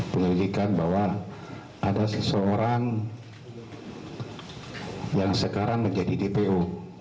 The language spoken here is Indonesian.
penyelidikan bahwa ada seseorang yang sekarang menjadi dpo